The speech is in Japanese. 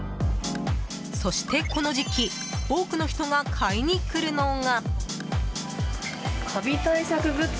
そして、この時期多くの人が買いに来るのが。